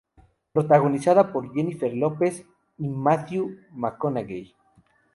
Protagonizada por Jennifer Lopez y Matthew McConaughey.